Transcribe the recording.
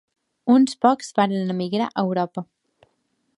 Uns pocs varen emigrar a Europa.